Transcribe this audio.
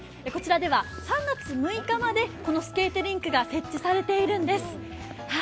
こちらでは３月６日までこのスケートリンクが設置されているんです。